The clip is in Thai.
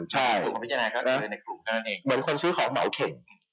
เหมือนคนซื้อของเหมาเข็ง